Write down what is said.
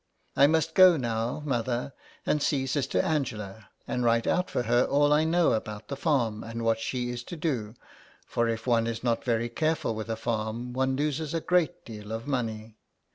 I must go now, mother, and see Sister Angela, and write out for her all I know about the farm, and what she is to do, for if one is not very careful with a farm one loses a great deal of money.